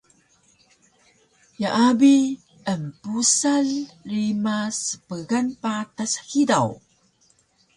Yaa bi empusal rima spngan patas hidaw